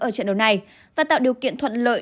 ở trận đấu này và tạo điều kiện thuận lợi